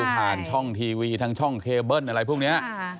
ผ่านช่องทีวีทางช่องเคเบิ้ลอะไรพวกนี้